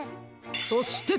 そして。